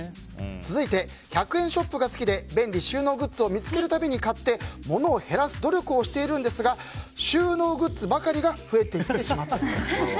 続いて１００円ショップが好きで便利収納グッズを見つけるたびに買って物を減らす努力をしてるんですが収納グッズばかりが増えていってしまいます。